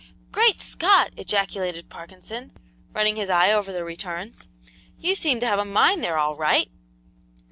"Great Scott!" ejaculated Parkinson, running his eye over the returns. "You seem to have a mine there, all right!"